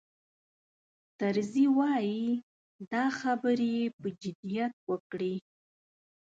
طرزي وایي دا خبرې یې په جدیت وکړې.